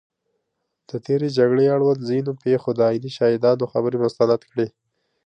د تېرې جګړې اړوند ځینو پېښو د عیني شاهدانو خبرې مستند کړي